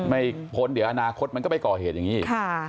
พ้นเดี๋ยวอนาคตมันก็ไปก่อเหตุอย่างนี้อีก